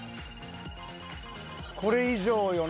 これ以上よな。